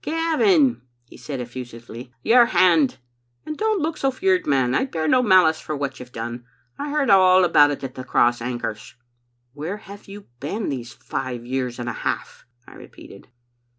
" 'Gavin,' he said eflEusively, 'your hand. And don't look so feared, man; I bear no malice for what you*ve done. I heard all about it at the Cross Anchors. '" 'Where have you been these five years and a half?* I repeated.